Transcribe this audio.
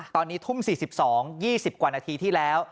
ตอนนี้ทุ่ม๔๒๒๐กว่านาทีที่แล้ว